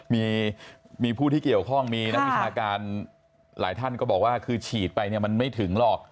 มีผู้ที่เกี่ยวข้องมีนักวิชาการหลายท่านก็บอกว่าคือฉีดไปเนี่ยมันไม่ถึงหรอก